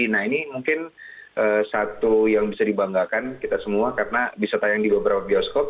nah ini mungkin satu yang bisa dibanggakan kita semua karena bisa tayang di beberapa bioskop